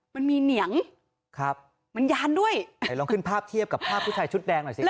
มันมีเหนียงครับมันยานด้วยไหนลองขึ้นภาพเทียบกับภาพผู้ชายชุดแดงหน่อยสิครับ